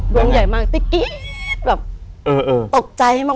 ดวงใหญ่มากติ๊กกิ๊กแบบตกใจมาก